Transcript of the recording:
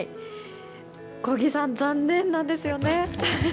小木さん残念なんですよね。